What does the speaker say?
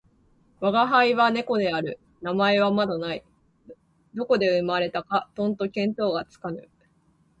吾輩は猫である。名前はまだない。どこで生れたかとんと見当がつかぬ。